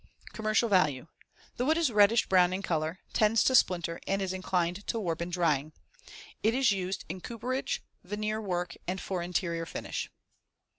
Commercial value: The wood is reddish brown in color, tends to splinter and is inclined to warp in drying. It is used in cooperage, veneer work and for interior finish.